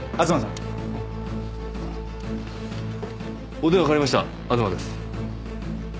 お電話代わりました東です。